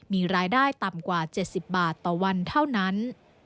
มีรายได้ต่ำกว่า๗๐บาทต่อวันเท่านั้น